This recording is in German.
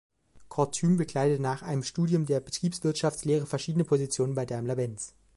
Kortüm bekleidete nach einem Studium der Betriebswirtschaftslehre verschiedene Positionen bei Daimler-Benz.